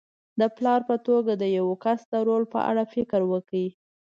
د پلار په توګه د یوه کس د رول په اړه فکر وکړئ.